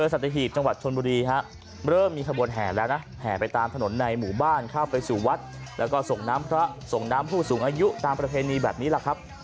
ส่งน้ำผู้สูงอายุตามประเภณีแบบนี้แหละครับ